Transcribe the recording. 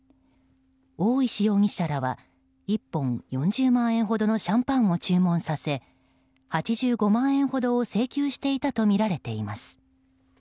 大石容疑者らは１本４０万円ほどのシャンパンを注文させ、８５万円ほどを請求していたとみられています。